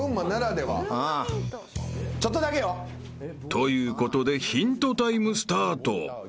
［ということでヒントタイムスタート］